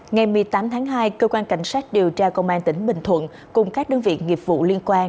ngày một mươi tám tháng hai cơ quan cảnh sát điều tra công an tỉnh bình thuận cùng các đơn vị nghiệp vụ liên quan